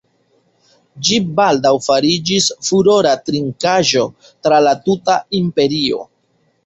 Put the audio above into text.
Ĝi baldaŭ fariĝis furora trinkaĵo tra la tuta imperio.